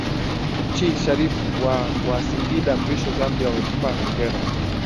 chii sharif wa wa singinda mrisho zambia wamempa hongera